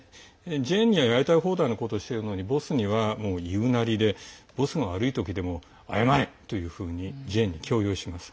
ジェーンにはやりたい放題のことをしてるのにボスには言いなりでボスが悪い時でも謝れというふうに強要します。